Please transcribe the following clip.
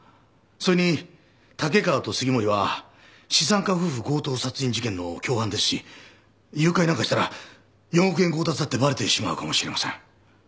それに竹川と杉森は資産家夫婦強盗殺人事件の共犯ですし誘拐なんかしたら４億円強奪だってバレてしまうかもしれません。